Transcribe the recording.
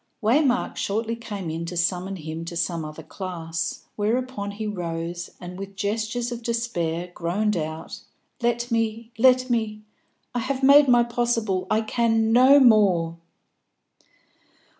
Waymark shortly came in to summon him to some other class, whereupon he rose, and, with gestures of despair, groaned out "Let me, let me! I have made my possible; I can no more!"